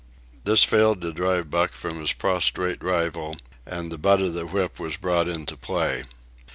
This failed to drive Buck from his prostrate rival, and the butt of the whip was brought into play.